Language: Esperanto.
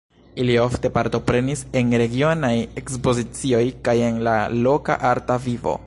Ili ofte partoprenis en regionaj ekspozicioj kaj en la loka arta vivo.